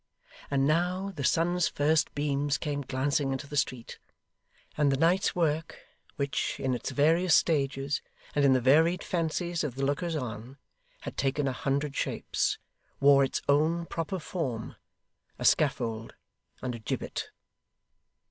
And now, the sun's first beams came glancing into the street; and the night's work, which, in its various stages and in the varied fancies of the lookers on had taken a hundred shapes, wore its own proper form a scaffold, and a gibbet.